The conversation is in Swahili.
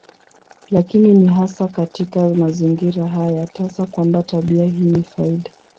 Lakini ni hasa katika mazingira haya tasa kwamba tabia hii ni faida.